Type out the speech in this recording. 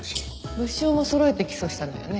物証もそろえて起訴したのよね？